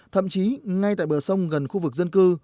thậm chí ngay tại bờ sông gần khu vực dân cư